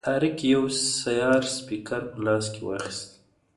طارق یو سیار سپیکر په لاس کې واخیست.